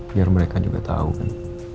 biar mereka juga tahu kan